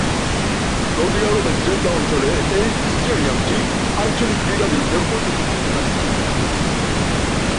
Saudi আরবের Jeddah অঞ্চলে এই স্টেডিয়ামটি আঞ্চলিক ক্রীড়াবিদদের অন্যতম প্রধান স্টেডিয়াম।